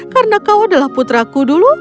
karena kau adalah putraku dulu